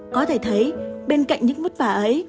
có thể thấy bên cạnh những vất vả ấy